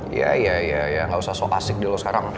iya iya iya gak usah sok asik deh lo sekarang